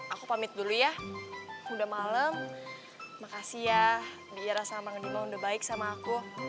aku pamit dulu ya udah malam makasih ya biar rasa manglima udah baik sama aku